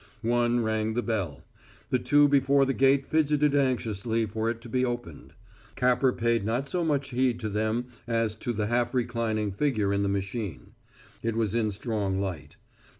One rang the bell. The two before the gate fidgeted anxiously for it to be opened. Capper paid not so much heed to them as to the half reclining figure in the machine. It was in strong light.